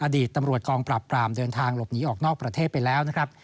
อดีตตำรวจกองปราบปรามเดินทางหลบหนีออกนอกประเทศไปแล้วนะครับ